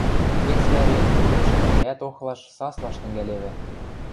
Вес вӓре, кымшы вӓреӓт охлаш, саслаш тӹнгӓлевӹ.